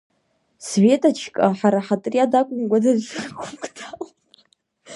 Светачка, ҳара ҳотриад акәымкәа даҽа гәыԥк далоуп.